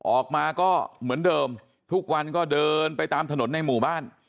ออกมาก็เหมือนเดิมทุกวันก็เดินไปตามถนนในหมู่บ้าน